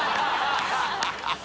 ハハハ